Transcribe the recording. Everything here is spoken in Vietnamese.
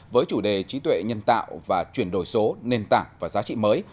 với chủ đề trí tuệ nhân tạo và chuyển đổi số nền tảng và giá trị mới